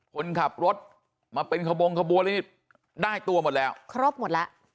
คนขับรถมาเป็นขบงขบวนแล้วนี่ได้ตัวหมดแล้วครบหมดแล้ว